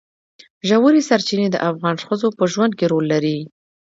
ژورې سرچینې د افغان ښځو په ژوند کې رول لري.